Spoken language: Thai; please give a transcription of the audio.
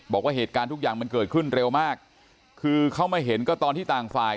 บอกว่าเหตุการณ์ทุกอย่างมันเกิดขึ้นเร็วมากคือเขามาเห็นก็ตอนที่ต่างฝ่าย